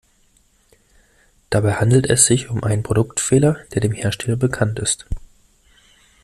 Dabei handelt es sich um einen Produktfehler, der dem Hersteller bekannt ist.